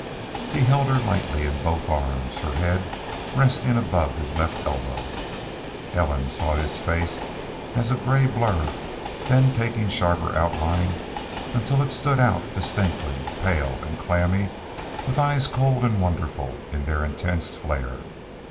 He held her lightly in both arms, her head resting above his left elbow. Ellen saw his face as a gray blur, then taking sharper outline, until it stood out distinctly, pale and clammy, with eyes cold and wonderful in their intense flare.